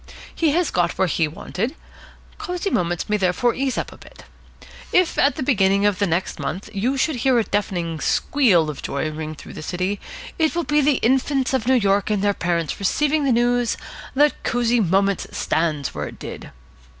He has got where he wanted. Cosy Moments may therefore ease up a bit. If, at about the beginning of next month, you should hear a deafening squeal of joy ring through this city, it will be the infants of New York and their parents receiving the news that Cosy Moments stands where it did.